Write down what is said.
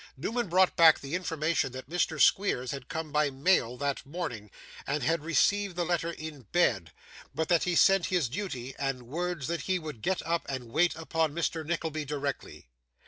Newman brought back the information that Mr. Squeers had come by mail that morning, and had received the letter in bed; but that he sent his duty, and word that he would get up and wait upon Mr Nickleby directly.